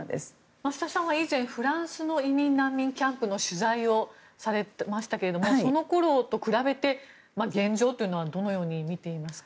増田さんは以前フランスの移民・難民キャンプの取材をされていましたがそのころと比べて現状はどのように見ていますか。